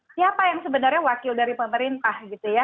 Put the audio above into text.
siapa yang sebenarnya wakil dari pemerintah gitu ya